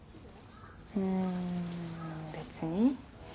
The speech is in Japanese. うん別に。